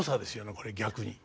これ逆に。